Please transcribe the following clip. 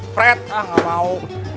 fred ah enggak mau